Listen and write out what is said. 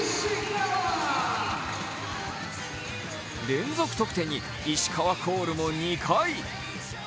連続得点にイシカワコールも２回。